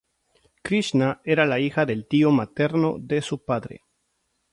Krishna era la hija del tío materno de su padre.